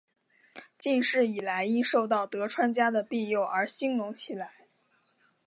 近世以来因受到德川家的庇佑而兴隆起来。